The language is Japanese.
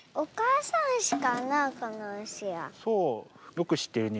よくしってるね。